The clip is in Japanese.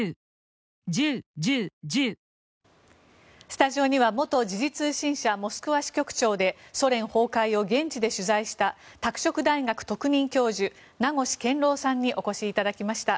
スタジオには元時事通信社モスクワ支局長でソ連崩壊を現地で取材した拓殖大学特任教授名越健郎さんにお越しいただきました。